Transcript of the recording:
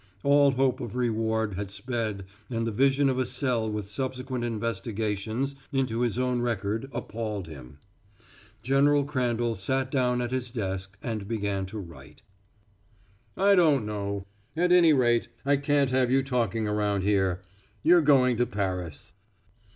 All hope of reward had sped and the vision of a cell with subsequent investigations into his own record appalled him. General Crandall sat down at his desk and began to write. "I don't know at any rate, I can't have you talking around here. You're going to Paris."